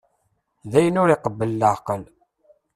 D ayen ur iqebbel leεqel.